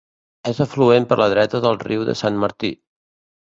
És afluent per la dreta del Riu de Sant Martí.